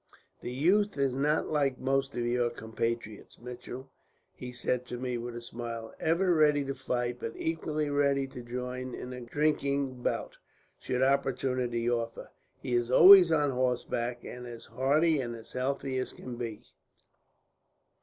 "'That youth is not like most of your compatriots, Mitchell,' he said to me with a smile; 'ever ready to fight, but equally ready to join in a drinking bout, should opportunity offer. He is always on horseback, and as hardy and as healthy as can be.